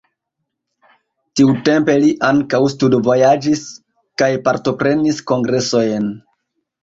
Tiutempe li ankaŭ studvojaĝis kaj partoprenis kongresojn.